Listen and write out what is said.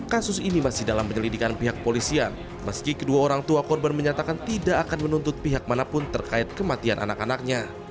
kasus ini masih dalam penyelidikan pihak polisian meski kedua orang tua korban menyatakan tidak akan menuntut pihak manapun terkait kematian anak anaknya